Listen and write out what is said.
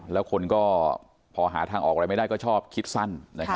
แล้วคนก็พอหาทางออกอะไรไม่ได้ก็ชอบคิดสั้น